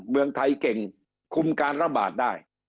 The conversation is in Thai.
เมืองไทยเก่งคุมการระบาดได้